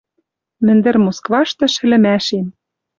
Мӹндӹр Москваштыш ӹлӹмӓшем